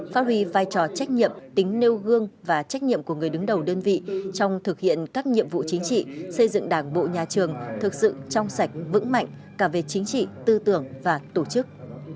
phát huy vai trò trách nhiệm tính nêu gương và trách nhiệm của người đứng đầu đơn vị trong thực hiện các nhiệm vụ chính trị xây dựng đảng bộ nhà trường thực sự trong sạch vững mạnh cả về chính trị tư tưởng và tổ chức